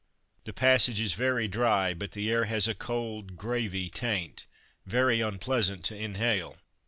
The passage is very dry, but the air has a cold "gravey" taint, very unpleasant to inhale.